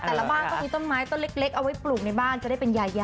แต่ละบ้านก็มีต้นไม้ต้นเล็กเอาไว้ปลูกในบ้านจะได้เป็นยายา